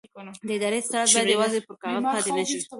اداري اصلاحات باید یوازې پر کاغذ پاتې نه شي